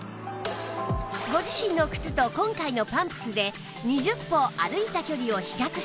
ご自身の靴と今回のパンプスで２０歩歩いた距離を比較します